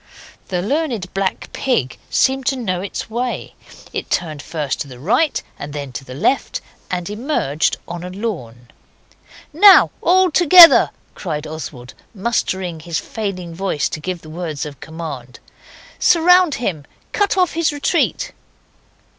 The Learned Black Pig seemed to know its way. It turned first to the right and then to the left, and emerged on a lawn. 'Now, all together!' cried Oswald, mustering his failing voice to give the word of command. 'Surround him! cut off his retreat!